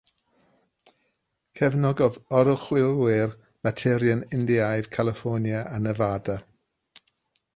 Cefnogodd Oruchwyliwr Materion Indiaidd Califfornia a Nevada